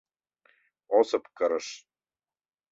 Осып кырыш...